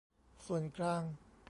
ส่วนกลาง